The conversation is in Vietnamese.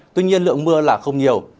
tuy nhiên lượng mưa là không nhiều